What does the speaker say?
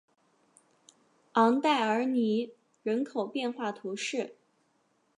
昂代尔尼人口变化图示